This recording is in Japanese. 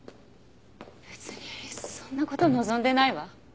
別にそんな事望んでないわ。